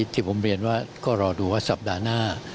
ที่ผมเรียนว่าก็รอดูว่าสัปดาห์หน้า